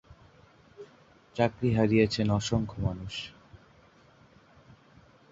চাকরি হারিয়েছেন অসংখ্য মানুষ।